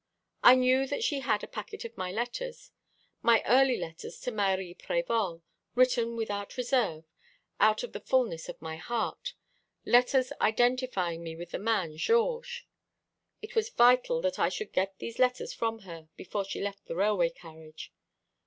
I knew that she had a packet of my letters my early letters to Marie Prévol, written without reserve, out of the fulness of my heart letters identifying me with the man Georges. It was vital that I should get these letters from her before she left the railway carriage.